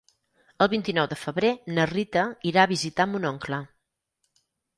El vint-i-nou de febrer na Rita irà a visitar mon oncle.